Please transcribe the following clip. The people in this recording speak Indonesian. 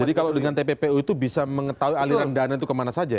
jadi kalau dengan tppu itu bisa mengetahui aliran dana itu kemana saja ya